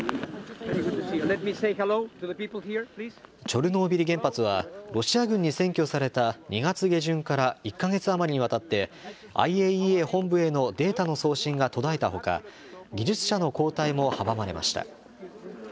チョルノービリ原発はロシア軍に占拠された２月下旬から１か月余りにわたってＩＡＥＡ本部へのデータの送信が途絶えたほか技術者の交代も阻まれました。